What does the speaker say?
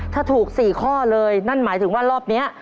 ถ้าถูก๔ข้อเลยนั่นหมายถึงว่ารอบนี้